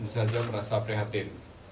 saya merasa prihatin